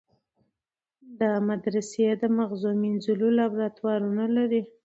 دا مدرسې د مغزو مینځلو لابراتوارونه لري.